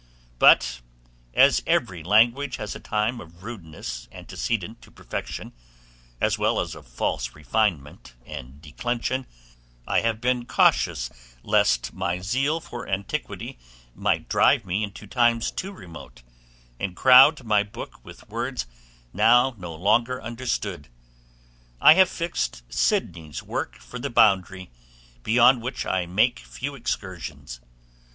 But as every language has a time of rudeness antecedent to perfection, as well as of false refinement and declension, I have been cautious lest my zeal for antiquity might drive me into times too remote, and crowd my book with words now no longer understood. I have fixed Sidney's work for the boundary, beyond which I make few excursions.